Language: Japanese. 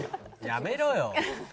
「やめろよ」